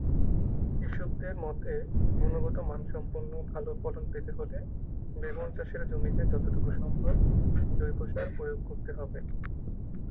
কৃষকদের মতে গুণগত মানসম্পন্ন ভালো ফলন পেতে হলে বেগুন চাষের জমিতে যতটুকু সম্ভব জৈব সার প্রয়োগ করতে হবে।